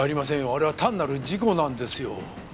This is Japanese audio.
あれは単なる事故なんですよ。